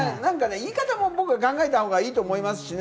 言い方も考えたほうがいいと思いますしね。